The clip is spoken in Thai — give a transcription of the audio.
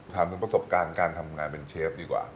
ถามถึงประสบการณ์การทำงานเป็นเชฟดีกว่า